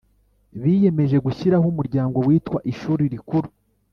Biyemeje gushyiraho umuryango witwa Ishuri Rikuru